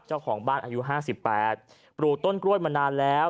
เจ้าของบ้านอายุ๕๘ปลูกต้นกล้วยมานานแล้ว